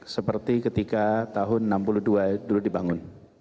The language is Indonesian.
seperti ketika tahun seribu sembilan ratus enam puluh dua dulu dibangun